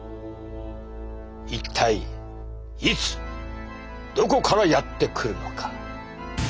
一体いつどこからやってくるのか？